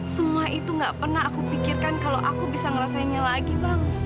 semua itu gak pernah aku pikirkan kalau aku bisa ngerasainnya lagi bang